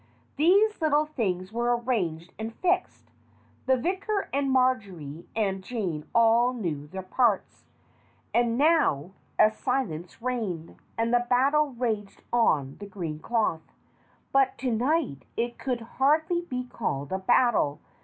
These little things were arranged and fixed. The vicar and Marjory and Jane all knew their parts. And now a silence reigned, and the battle raged on the green cloth. But to night it could hardly be called a battle.